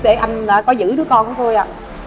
để anh có giữ đứa con của tôi ạ